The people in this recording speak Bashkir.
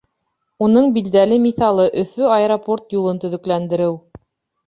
Уның билдәле миҫалы — Өфө — Аэропорт юлын төҙөкләндереү.